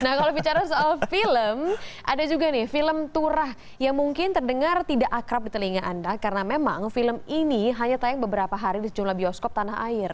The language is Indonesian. nah kalau bicara soal film ada juga nih film turah yang mungkin terdengar tidak akrab di telinga anda karena memang film ini hanya tayang beberapa hari di sejumlah bioskop tanah air